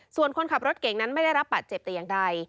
ส่วนคนขับรถเก่งนั้นไม่ได้รับบาดเจ็บแต่อย่างใด